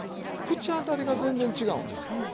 口当たりが全然違うんですよ。